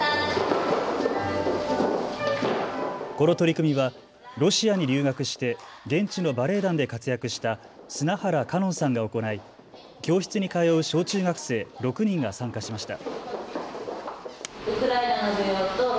この取り組みはロシアに留学して現地のバレエ団で活躍した砂原伽音さんが行い、教室に通う小中学生６人が参加しました。